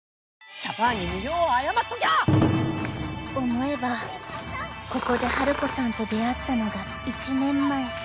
［思えばここでハルコさんと出会ったのが１年前］